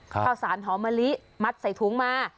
ข้าวสารหอมมะลิมัดใส่ถุงมา